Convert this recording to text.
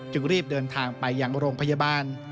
จึงรีบเดินทางไปอย่างโรงพยาบาล